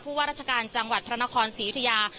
ว่าราชการจังหวัดพระนครศรียุธยา